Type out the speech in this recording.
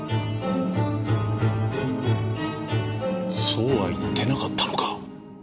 そうは言ってなかったのか？